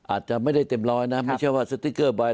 อาจจะไม่ได้เต็มร้อยนะไม่ใช่ว่าสติ๊กเกอร์ใบ